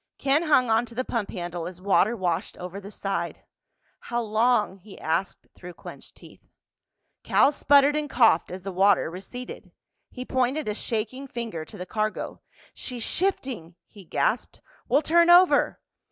Ken hung on to the pump handle as water washed over the side. "How long?" he asked through clenched teeth. Cal sputtered and coughed as the water receded. He pointed a shaking finger to the cargo. "She's shifting!" he gasped. "We'll turn over!"